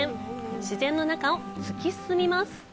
自然の中を突き進みます！